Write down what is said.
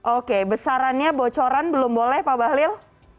oke besarannya bocoran belum boleh pak bahlil